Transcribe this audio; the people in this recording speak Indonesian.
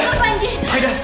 enggak tahu tadi aku